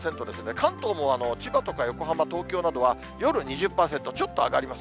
関東も千葉とか横浜、東京などは夜２０％、ちょっと上がります。